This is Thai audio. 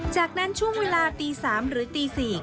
จากนั้นช่วงเวลาตี๓หรือตี๔